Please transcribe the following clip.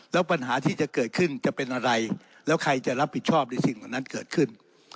แล้วปัญหาที่จะเกิดขึ้นจะเป็นอะไรแล้วใครจะรับผิดชอบในสิ่งเหล่านั้นเกิดขึ้น